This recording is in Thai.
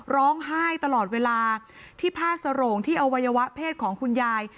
ร้องไห้ตลอดเวลาที่ผ้าสโรงที่อวัยวะเพศของคุณยาย